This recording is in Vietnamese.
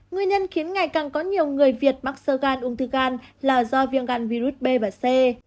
nguyên nhân khiến ngày càng có nhiều người việt mắc sơ gan ung thư gan là do viêm gan virus b và c